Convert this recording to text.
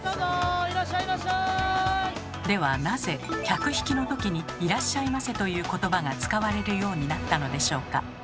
ではなぜ客引きのときに「いらっしゃいませ」という言葉が使われるようになったのでしょうか？